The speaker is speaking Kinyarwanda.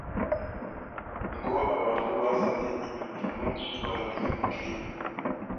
ngo abantu bazanye ibi bintu baraduhemukiye